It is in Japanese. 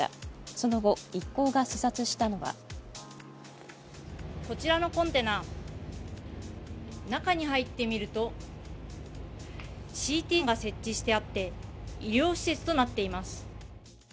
その後、一行が視察したのはこちらのコンテナ、中に入ってみるとＣＴが設置してあって、医療施設となっています。